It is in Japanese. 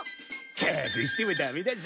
隠してもダメだぞ。